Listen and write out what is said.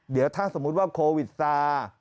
เดี๋ยวถ้าสมมุติว่าโควิดซา